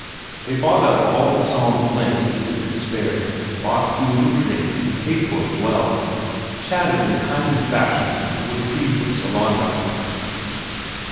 They bought up all the sawn planks Isak could spare, bought food and drink and paid for it well, chatted in kindly fashion and were pleased with Sellanraa.